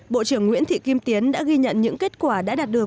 bộ trưởng nguyễn thị kim tiến đã ghi nhận những kết quả đã đạt được